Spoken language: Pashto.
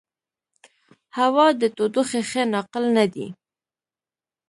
هوا د تودوخې ښه ناقل نه دی.